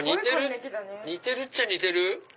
似てるっちゃ似てる？